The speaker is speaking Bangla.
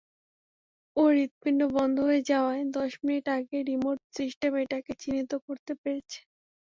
ওর হৃৎপিণ্ড বন্ধ হয়ে যাওয়ার দশ মিনিট আগে রিমোট সিস্টেম এটাকে চিহ্নিত করতে পেরেছে।